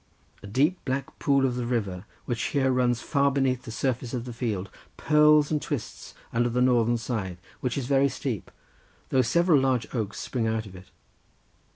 A deep black pool of the river, which here runs far beneath the surface of the field, purls and twists under the northern side, which is very steep, though several large oaks spring out of it.